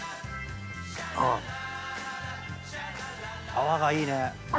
泡がいいね。